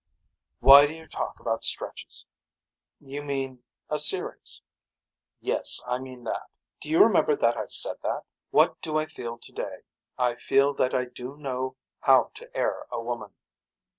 Why do you talk about stretches. You mean a series. Yes I mean that. Do you remember that I said that. What do I feel today. I feel that I do know how to air a woman.